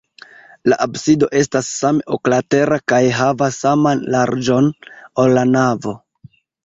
La absido estas same oklatera kaj havas saman larĝon, ol la navo.